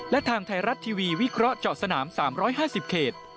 และทางไทยรัฐทีวีวิเคราะห์เจาะสนาม๓๕๐เขต